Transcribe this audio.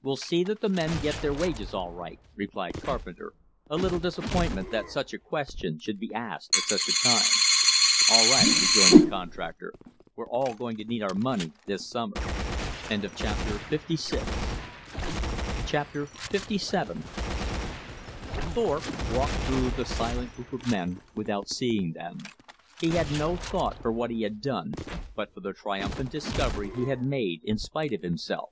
"We'll see that the men get their wages all right," replied Carpenter, a little disappointed that such a question should be asked at such a time. "All right," rejoined the contractor. "We're all going to need our money this summer." Chapter LVII Thorpe walked through the silent group of men without seeing them. He had no thought for what he had done, but for the triumphant discovery he had made in spite of himself.